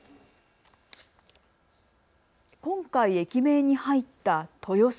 今回、駅名に入った豊砂。